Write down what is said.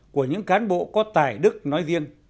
của những cán bộ có tài đức nói riêng